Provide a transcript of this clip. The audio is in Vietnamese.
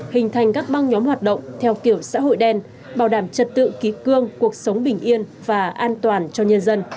hình thành các băng nhóm hoạt động theo kiểu xã hội đen bảo đảm trật tự ký cương cuộc sống bình yên và an toàn cho nhân dân